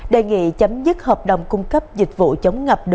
đề nghị chấm dứt hợp đồng cung cấp dịch vụ chống ngập đường nguyễn hữu quang trung